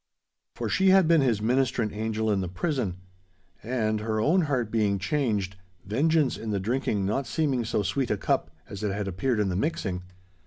For she had been his ministrant angel in the prison. And her own heart being changed—vengeance in the drinking not seeming so sweet a cup as it had appeared in the mixing.